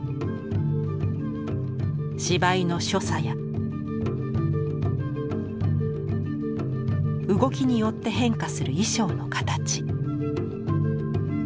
芝居の所作や動きによって変化する衣装の形。